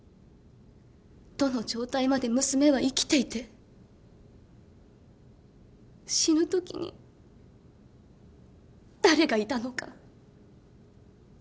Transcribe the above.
どの状態まで娘は生きていて死ぬときに誰がいたのか。